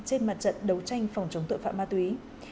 trên mặt trận đấu tranh phòng chống tội phạm ma túy